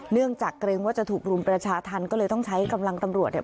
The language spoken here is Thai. เนื่องจากเกรงว่าจะถูกรุมประชาธรรมก็เลยต้องใช้กำลังตำรวจเนี่ย